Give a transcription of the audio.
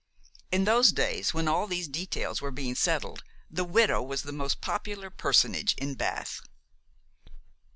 In those days, when all these details were being settled, the widow was the most popular personage in Bath.